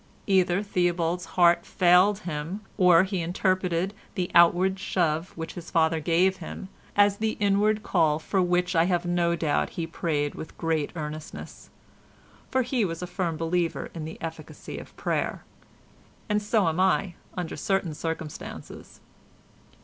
Either Theobald's heart failed him, or he interpreted the outward shove which his father gave him, as the inward call for which I have no doubt he prayed with great earnestness—for he was a firm believer in the efficacy of prayer. And so am I under certain circumstances.